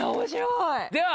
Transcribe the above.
では